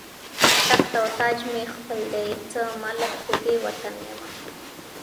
تخت او تاج مې خپل دی، زه مالک د دې وطن یمه